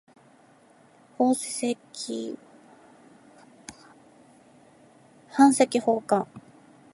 版籍奉還